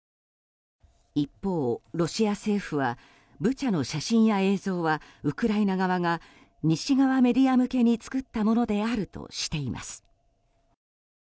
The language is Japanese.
一方、ロシア政府はブチャの写真や映像はウクライナ側が西側メディア向けに作ったものであるとしています。